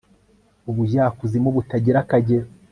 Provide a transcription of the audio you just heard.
Ubujyakuzimu butagira akagero